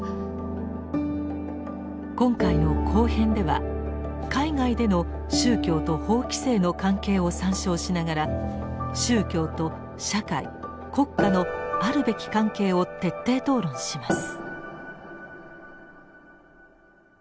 今回の後編では海外での宗教と法規制の関係を参照しながら宗教と社会国家のあるべき関係を徹底討論します。